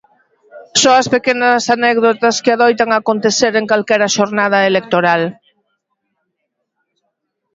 Só as pequenas anécdotas que adoitan acontecer en calquera xornada electoral.